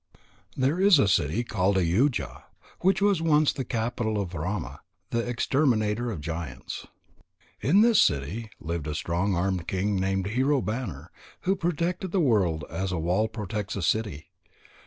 There is a city called Ayodhya, which was once the capital of Rama the exterminator of giants. In this city lived a strong armed king named Hero banner who protected the world as a wall protects a city.